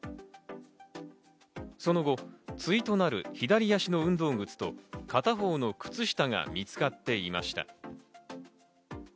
その後、対となる左足の運動靴と片方の靴下が見つかっていました。